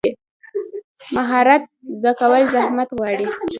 مهارت زده کول زحمت غواړي.